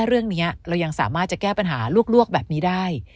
เรื่องนี้เรายังสามารถจะแก้ปัญหาลวกแบบนี้ได้